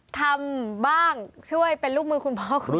ทำบ้างช่วยเป็นลูกมือคุณพ่อคุณแม่